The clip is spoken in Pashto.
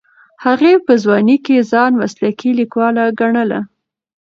هغې په ځوانۍ کې ځان مسلکي لیکواله ګڼله.